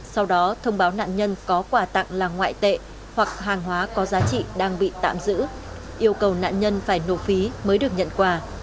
sau đó thông báo nạn nhân có quà tặng là ngoại tệ hoặc hàng hóa có giá trị đang bị tạm giữ yêu cầu nạn nhân phải nộp phí mới được nhận quà